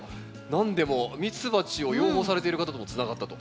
なんでもミツバチを養蜂されている方ともつながったと。